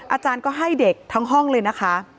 อาจารย์ก็ให้เด็กทั้งห้องเลยนะคะ